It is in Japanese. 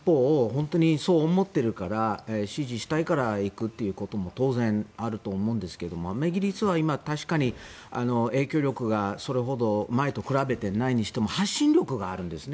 本当にそう思っているから支持したいから行くっていうことも当然あると思うんですけどイギリスは今、確かに影響力が前と比べてそれほどないにしても発信力があるんですね。